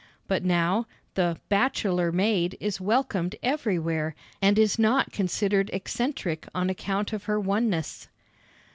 But now, the "bachelor maid" is welcomed everywhere, and is not considered eccentric on account of her oneness.